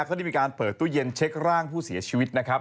เขาได้มีการเปิดตู้เย็นเช็คร่างผู้เสียชีวิตนะครับ